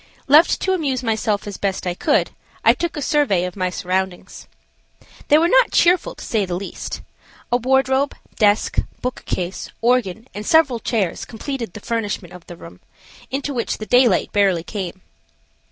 Left to amuse myself as best I could, I took a survey of my surroundings. They were not cheerful, to say the least. A wardrobe, desk, book case, organ, and several chairs completed the furnishment of the room, into which the daylight barely came.